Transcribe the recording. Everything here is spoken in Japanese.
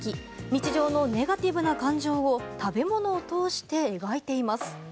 日常のネガティブな感情を食べ物を通して描いています。